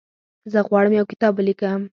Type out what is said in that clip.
زه غواړم یو کتاب ولیکم.